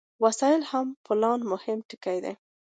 وسایل هم د پلان مهم ټکي دي.